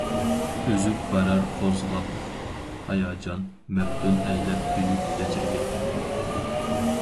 ئۈزۈپ بارار قوزغاپ ھاياجان، مەپتۇن ئەيلەپ بۈيۈك ئەجرىگە.